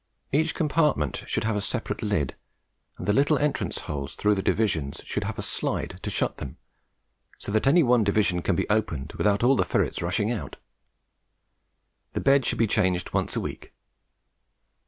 Each compartment should have a separate lid, and the little entrance holes through the divisions should have a slide to shut them, so that any one division can be opened without all the ferrets rushing out. The bed should be changed once a week.